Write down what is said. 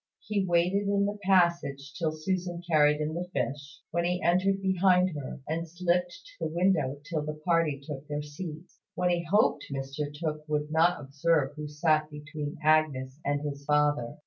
He waited in the passage till Susan carried in the fish, when he entered behind her, and slipped to the window till the party took their seats, when he hoped Mr Tooke would not observe who sat between Agnes and his father.